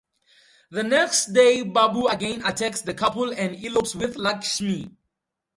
The next day Babu again attacks the couple and elopes with Lakshmi.